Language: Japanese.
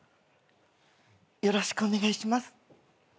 よろしくお願いします。